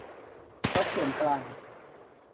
ทรัพย์ส่วนกลาง